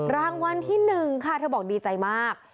รางวัลที่๑ค่ะเธอบอกดีใจมาก